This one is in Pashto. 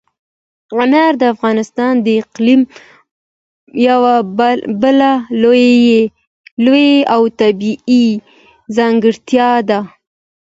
انار د افغانستان د اقلیم یوه بله لویه او طبیعي ځانګړتیا ده.